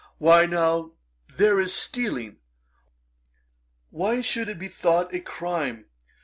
Why, now, there is stealing; why should it be thought a crime?